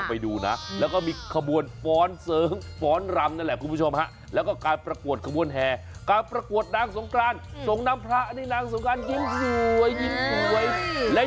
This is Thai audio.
อันนี้ชอบมากเราไปดูนะ